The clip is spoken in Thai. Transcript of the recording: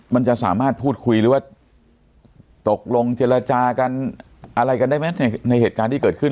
มันจะสามารถพูดคุยหรือว่าตกลงเจรจากันอะไรกันได้ไหมในเหตุการณ์ที่เกิดขึ้น